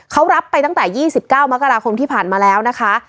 เขารับไปตั้งแต่๒๙มกราคมที่ผ่านมาแล้วนะคะ